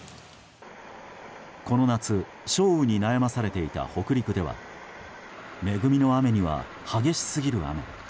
この夏少雨に悩まされていた北陸では恵みの雨には激しすぎる雨。